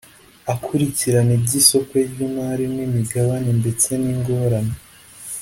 Akurikirana iby’isoko ry’imari n’imigabane ndetse n’ingorane